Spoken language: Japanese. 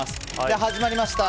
始まりました。